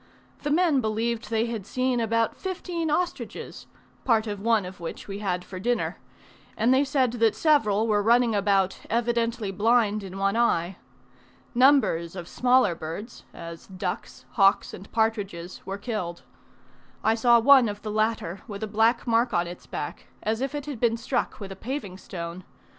The men believed they had seen about fifteen ostriches (part of one of which we had for dinner); and they said that several were running about evidently blind in one eye. Numbers of smaller birds, as ducks, hawks, and partridges, were killed. I saw one of the latter with a black mark on its back, as if it had been struck with a paving stone.